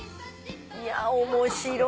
いや面白いね。